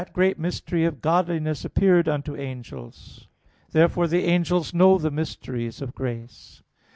'Great is the mystery of godliness, which ... appeared unto angels.'] Therefore the angels know the mysteries of grace.